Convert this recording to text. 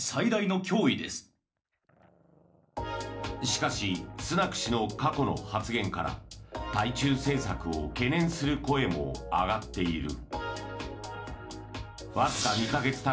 しかしスナク氏の過去の発言から対中政策を懸念する声も上がっている。